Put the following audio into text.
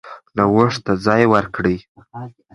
نوښت ته ځای ورکړئ.